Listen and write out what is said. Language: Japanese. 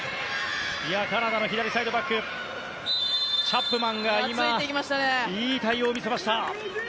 カナダの左サイドバックチャップマンがいい対応を見せました。